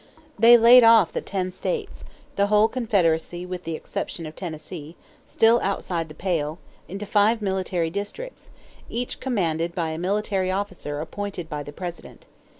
They laid off the ten states the whole Confederacy with the exception of Tennessee still outside the pale, into five military districts, each commanded by a military officer appointed by the President.